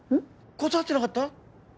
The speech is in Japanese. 断ってなかった？